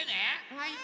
はい。